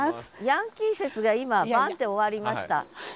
ヤンキー説が今バンって終わりました。